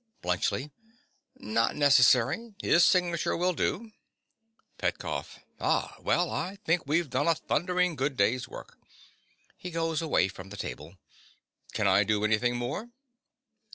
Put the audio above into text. BLUNTSCHLI. Not necessary. His signature will do. PETKOFF. Ah, well, I think we've done a thundering good day's work. (He goes away from the table.) Can I do anything more?